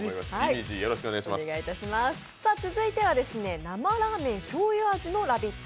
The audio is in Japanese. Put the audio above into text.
続いては、生ラーメン醤油味のラヴィット！